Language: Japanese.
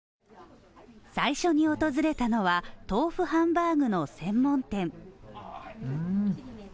最初に訪れたのは豆腐ハンバーグの専門店。